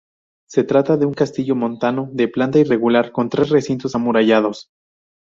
Se trata de un castillo montano de planta irregular, con tres recintos amurallados.